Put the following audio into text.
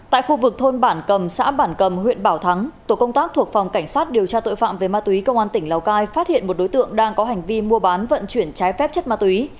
tại khu vực thôn bản cầm xã bản cầm huyện bảo thắng tổ công tác thuộc phòng cảnh sát điều tra tội phạm về ma túy công an tỉnh lào cai phát hiện một đối tượng đang có hành vi mua bán vận chuyển trái phép chất ma túy